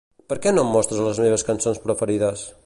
Per què no em mostres les meves cançons preferides?